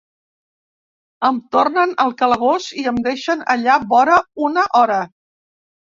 Em tornen al calabós i em deixen allà vora una hora.